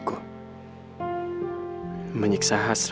keadaan gue kelainf target manuel